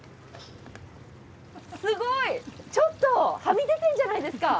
すごいちょっとはみ出てんじゃないですか。